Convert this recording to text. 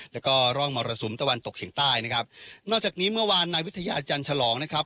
แล้วก็ร่องมรสุมตะวันตกเฉียงใต้นะครับนอกจากนี้เมื่อวานนายวิทยาจันทร์ฉลองนะครับ